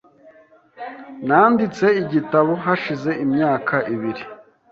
Nanditse igitabo hashize imyaka ibiri .